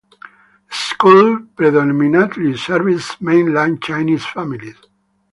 The school predominately serves Mainland Chinese families.